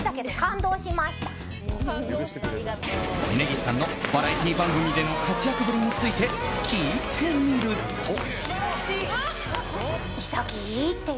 峯岸さんのバラエティー番組での活躍ぶりについて聞いてみると。